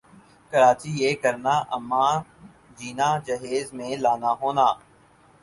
کراچی یِہ کرنا اماں جینا جہیز میں لانا ہونا